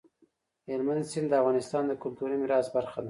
هلمند سیند د افغانستان د کلتوري میراث برخه ده.